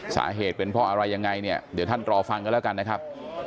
สาเหตุเป็นเพราะอะไรยังไงเนี่ยเดี๋ยวท่านรอฟังกันแล้วกันนะครับ